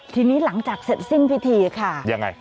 ทีนี้หลังจากเสร็จสิ้นพิธีค่ะยังไง